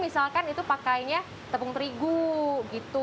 misalkan itu pakainya tepung terigu gitu